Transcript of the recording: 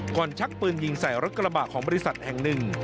ชักปืนยิงใส่รถกระบะของบริษัทแห่งหนึ่ง